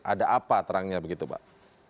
ada apa terangnya begitu pak